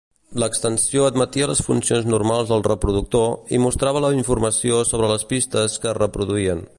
L'extensió admetia les funcions normals del reproductor i mostrava la informació sobre les pistes que es reproduïen.